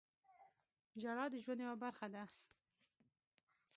• ژړا د ژوند یوه برخه ده.